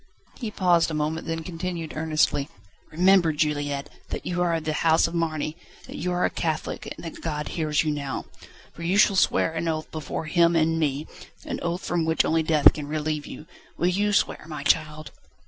He paused a moment, then continued earnestly: "Remember, Juliette, that you are of the house of Marny, that you are a Catholic, and that God hears you now. For you shall swear an oath before Him and me, an oath from which only death can relieve you. Will you swear, my child?"